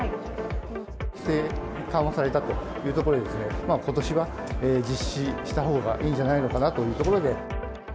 規制が緩和されたというところで、ことしは実施したほうがいいんじゃないかなというところで。